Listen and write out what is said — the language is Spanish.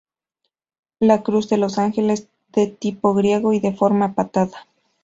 La Cruz de los Ángeles es de tipo griego y de forma patada.